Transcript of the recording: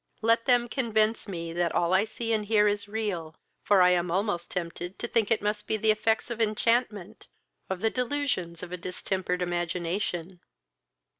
Let them convince me that all I see and hear is real; for I am almost tempted to think it must be the effects of enchantment, of the delusions of a distempered imagination."